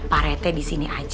pak rete di sini aja